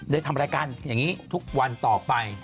ทำรายการอย่างนี้ทุกวันต่อไป